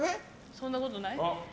そんなことない？